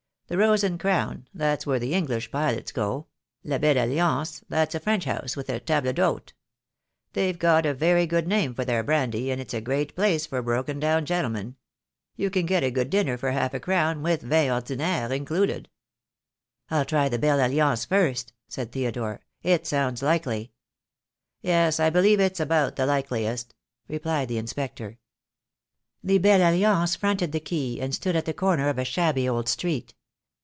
'The Rose and Crown,' that's where the English pilots go; 'La Belle Alliance,' that's a French house with a table d'hote. They've got a very good name for their brandy, and it's a great place for broken down gentlemen. You can get a good dinner for half a crown with vin ordinaire included." "I'll try the 'Belle Alliance' first," said Theodore. "It sounds likely." "Yes, I believe it's about the likeliest," replied the inspector. The "Belle Alliance" fronted the quay, and stood at the corner of a shabby old street.